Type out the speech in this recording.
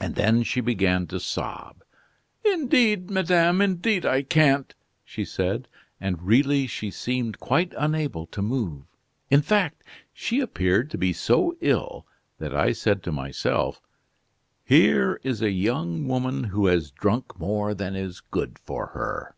And then she began to sob: 'Indeed, madame, indeed I can't!' she said, and really she seemed quite unable to move: in fact, she appeared to be so ill that I said to myself: 'Here is a young woman who has drunk more than is good for her!